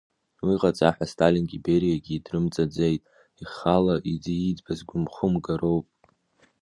Уи ҟаҵа ҳәа Сталингьы Бериагьы идрымҵаӡеит ихала ииӡбаз хәымгароуп.